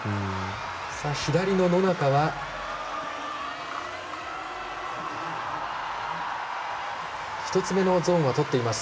左の野中は１つ目のゾーンをとっています。